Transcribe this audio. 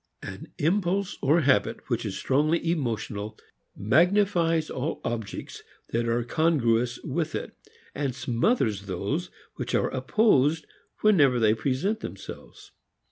An impulse or habit which is strongly emotional magnifies all objects that are congruous with it and smothers those which are opposed whenever they present themselves.